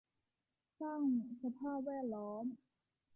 สร้างสภาพแวดล้อม